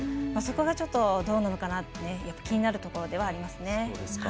そこがちょっとどうなのかなと気になるところではありますね。